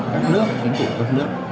các nước chính phủ các nước